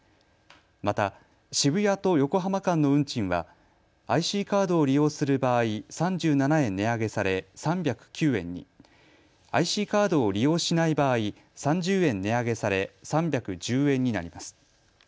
また渋谷と横浜間の運賃はＩＣカードを利用する場合３７円値上げされ３０９円に、ＩＣカードを利用しない場合３０円値上げされ３１０円になります。